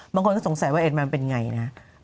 บางคนก็สงสัยว่าเอ็ดแมวมันเป็นอย่างไร